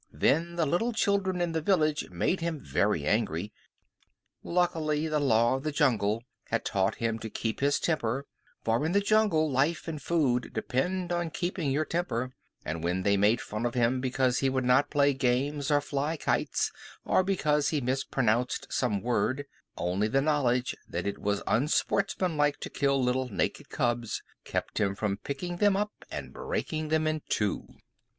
Then the little children in the village made him very angry. Luckily, the Law of the Jungle had taught him to keep his temper, for in the jungle life and food depend on keeping your temper; but when they made fun of him because he would not play games or fly kites, or because he mispronounced some word, only the knowledge that it was unsportsmanlike to kill little naked cubs kept him from picking them up and breaking them in two.